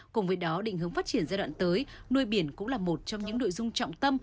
cùng với đó định hướng phát triển giai đoạn tới nuôi biển cũng là một trong những nội dung trọng tâm